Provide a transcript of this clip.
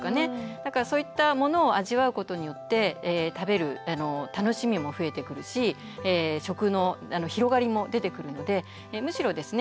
だからそういったものを味わうことによって食べる楽しみも増えてくるし食の広がりも出てくるのでむしろですね